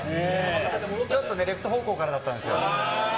ちょっとね、レフト方向からだったんですよ。